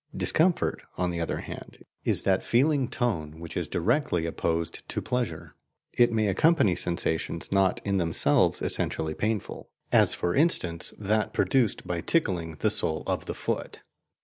Discomfort, on the other hand, is that feeling tone which is directly opposed to pleasure. It may accompany sensations not in themselves essentially painful; as for instance that produced by tickling the sole of the foot.